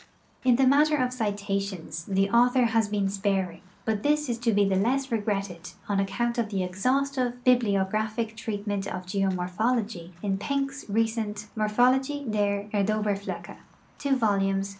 In the matter of citations, the author has been sparing, but this is to be the less regretted on account of the exhaustive bibliographic treatment of geomorphology in I'enck's recent MorphoUxjie der Erdoherjldchc vols.